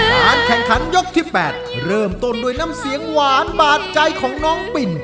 การแข่งขันยกที่๘เริ่มต้นด้วยน้ำเสียงหวานบาดใจของน้องปิ่น